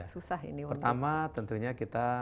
susah ini pertama tentunya kita